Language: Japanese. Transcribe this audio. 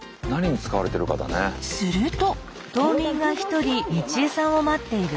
すると。